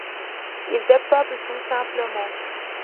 Il dépeuple, tout simplement.